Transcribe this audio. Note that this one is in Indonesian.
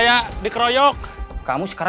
masih di pasar